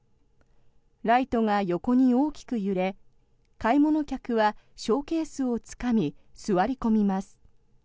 ライトが横に大きく揺れ買い物客はショーケースをつかみ座り込みます。